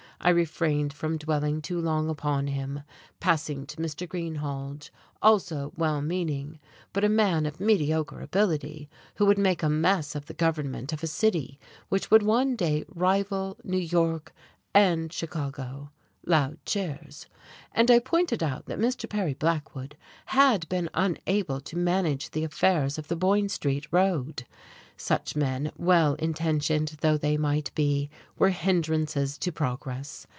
I refrained from dwelling too long upon him, passing to Mr. Greenhalge, also well meaning, but a man of mediocre ability who would make a mess of the government of a city which would one day rival New York and Chicago. (Loud cheers.) And I pointed out that Mr. Perry Blackwood had been unable to manage the affairs of the Boyne Street road. Such men, well intentioned though they might be, were hindrances to progress.